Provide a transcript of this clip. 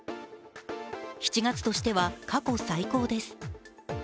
７月としては過去最高です。